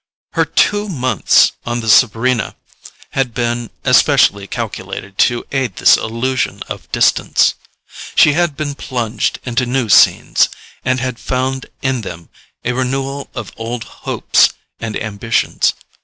Her two months on the Sabrina had been especially calculated to aid this illusion of distance. She had been plunged into new scenes, and had found in them a renewal of old hopes and ambitions.